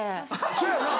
そうやな。